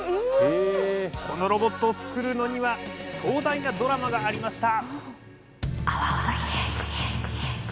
このロボットを作るのには壮大なドラマがありました。